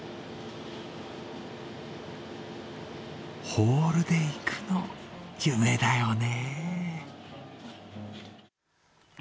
ホールでいくの、夢だよね。